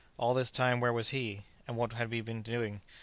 all this time, where was he? and what had he been doing?